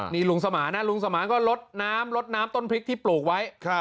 นี่ลุงสมานะลุงสมานก็ลดน้ำลดน้ำต้นพริกที่ปลูกไว้